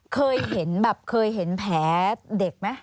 เคยเห็นแผลเด็กไหม